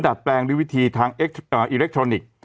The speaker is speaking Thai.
ดัดแปลงด้วยวิธีทางอิเล็กทรอนิกส์